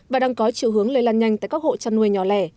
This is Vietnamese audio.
và đang có chiều hướng lây lan nhanh tại các hộ chăn nuôi nhỏ lẻ